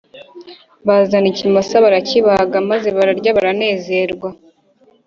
Bazana ikimasa barakibaga maze bararya baranezerwa